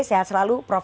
sehat selalu prof